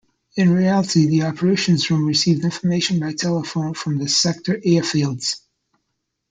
In reality, the operations room received information by telephone from the sector airfields.